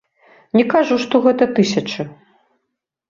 Не кажу, што гэта тысячы.